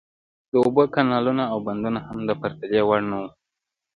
د اوبو کانالونه او بندونه هم د پرتلې وړ نه وو.